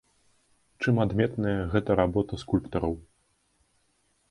Чым адметная гэта работа скульптараў?